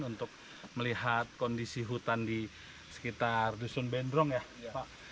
untuk melihat kondisi hutan di sekitar dusun bendrong ya pak